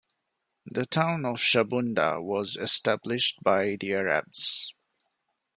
The town of Shabunda was established by the Arabs.